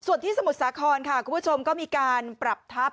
ส่วนที่สมุทรสาครค่ะคุณผู้ชมก็มีการปรับทัพ